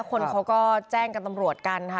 คนเขาก็แจ้งกับตำรวจกันค่ะ